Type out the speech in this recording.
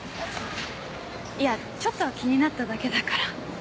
いやちょっと気になっただけだから。